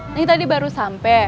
neng tadi baru sampe